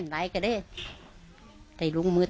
ภรรยาก็บอกว่านายทองม่วนขโมย